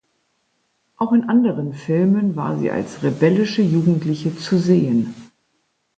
Auch in anderen Filmen war sie als rebellische Jugendliche zu sehen.